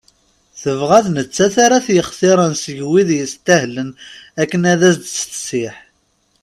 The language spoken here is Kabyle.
Tebɣa d nettat ara t-yextiren seg wid yestahlen akken ad as-d-tsiḥ.